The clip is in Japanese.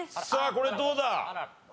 これどうだ？